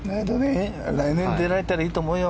来年、出られたらいいと思います。